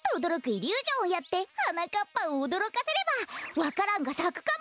イリュージョンをやってはなかっぱをおどろかせればわか蘭がさくかも。